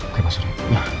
oke pak surya